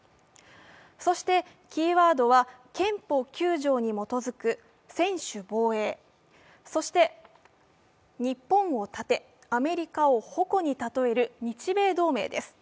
そして、キーワードは憲法９条に基づく専守防衛、そして日本を盾、アメリカを矛に例える日米同盟です。